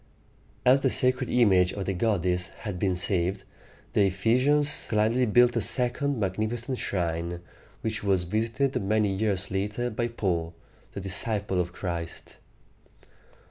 As the sacred image of the goddess had been saved, the E phe´sians gladly built a second magnificent shrine, which was visited many years later by Paul, the disciple of Christ.